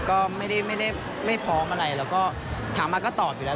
ก็ไม่ได้ไม่พร้อมอะไรแล้วก็ถามมาก็ตอบอยู่แล้ว